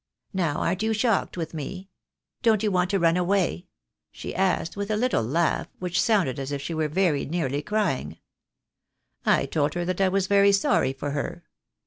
Now, aren't you shocked with me? Don't you want to run away?' she asked, with a little laugh, which sounded as if she was very nearly crying. I told her that I was very sorry for her.